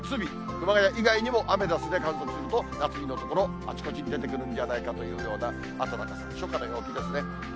熊谷以外にも、アメダスで観測すると夏日の所、あちこち出てくるんじゃないかというような暖かさ、初夏の陽気ですね。